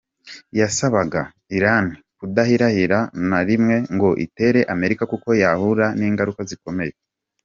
Yasabaga Irani kudahirahira "na rimwe" ngo itere Amerika kuko yahura n'ingaruka zikomeye.